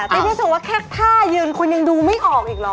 ติ๊บพี่ถึงว่าแค่ท่ายืนคุณยังดูไม่ออกอีกหรอ